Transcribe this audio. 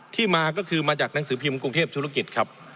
มาก็คือมาจากหนังสือพิมพ์กรุงเทพธุรกิจครับ